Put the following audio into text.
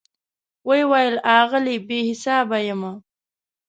وی ویل آغلې , بي حساب یمه